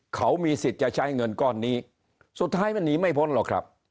เขามีสิทธิ์จะใช้เงินก้อนนี้สุดท้ายมันหนีไม่พ้นหรอกครับ